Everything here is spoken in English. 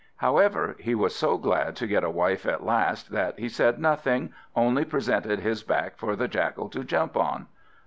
However, he was so glad to get a wife at last, that he said nothing, only presented his back for the Jackal to jump on.